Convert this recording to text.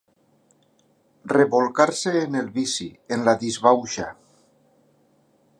Rebolcar-se en el vici, en la disbauxa.